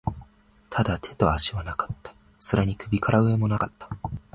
ただ、手と足はなかった。それに首から上も無かった。